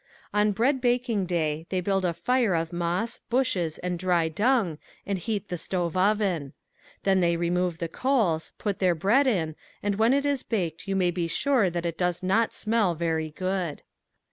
On bread baking day they build a fire of moss, bushes and dry dung and heat the stove oven. Then they remove the coals, put their bread in and when it is baked you may be sure that it does not smell very good.